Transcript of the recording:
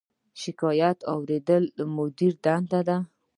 شکایت اوریدل د مدیر دنده ده